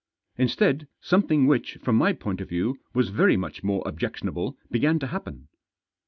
Instead, something which, from my point of view, was very much more objectionable began to happen.